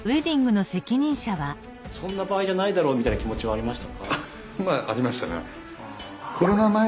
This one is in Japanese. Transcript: そんな場合じゃないだろみたいな気持ちはありました？